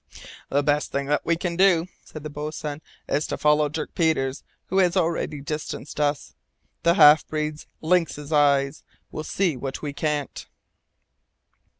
"The best thing we can do," said the boatswain, "is to follow Dirk Peters, who has already distanced us. The half breed's lynx eyes will see what we can't."